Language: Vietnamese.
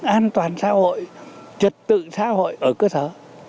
an toàn xã hội trật tự xã hội ở cơ sở